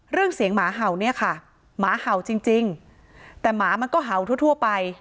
เรื่องเสียงหมาเห่าเนี่ยค่ะหมาเห่าจริงจริงแต่หมามันก็เห่าทั่วไป